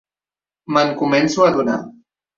Me'n començo a adonar.